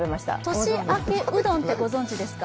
年明けうどんってご存じですか？